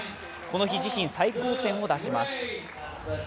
この日自身、最高点を出します。